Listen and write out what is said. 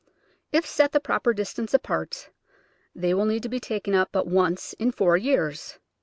If set the proper distance apart they will need to be taken up but once in four years.